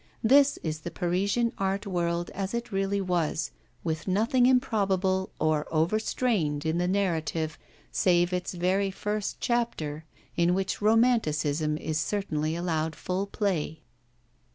This is the Parisian art world as it really was, with nothing improbable or overstrained in the narrative, save its very first chapter, in which romanticism is certainly allowed full play.